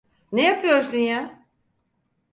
Ne yapıyorsun ya?